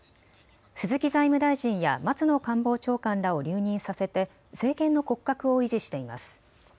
鈴木財務大臣や松野官房長官らを留任させて政権の骨格を維持しています。